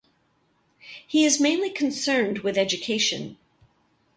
He is mainly concerned with education.